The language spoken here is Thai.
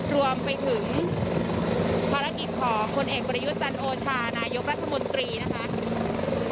รวมไปถึงภารกิจของพลเอกประยุทธ์จันโอชานายกรัฐมนตรีนะคะ